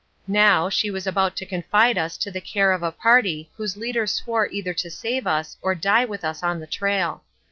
Now, she was about to confide us to the care of a party whose leader swore either to save us or die with us on the trail.